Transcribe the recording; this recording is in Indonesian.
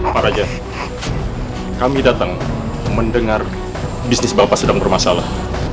pak raja kami datang mendengar bisnis bapak sedang bermasalah